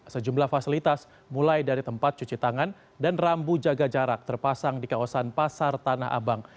sejumlah fasilitas mulai dari tempat cuci tangan dan rambu jaga jarak terpasang di kawasan pasar tanah abang